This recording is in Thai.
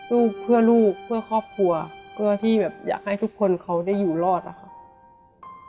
ลูกเพื่อลูกเพื่อครอบครัวเพื่อที่แบบอยากให้ทุกคนเขาได้อยู่รอดอะค่ะ